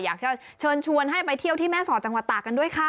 อยากจะเชิญชวนให้ไปเที่ยวที่แม่สอดจังหวัดตากกันด้วยค่ะ